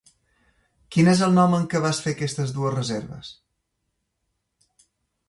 Quin és el nom amb què vas fer aquestes dues reserves?